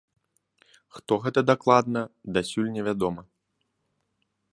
Хто гэта дакладна, дасюль невядома.